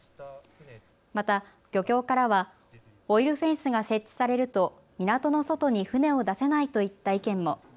また、漁協からはオイルフェンスが設置されると港の外に船を出せないといった意見も。